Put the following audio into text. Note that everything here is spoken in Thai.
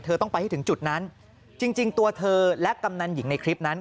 ต้องไปให้ถึงจุดนั้นจริงตัวเธอและกำนันหญิงในคลิปนั้น